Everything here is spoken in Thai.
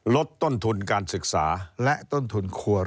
ลดต้นทุนการศึกษา